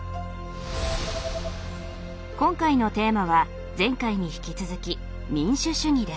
今回のテーマは前回に引き続き「民主主義」です。